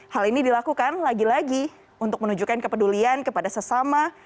hal ini dilakukan lagi lagi untuk menunjukkan kepedulian kepada sesama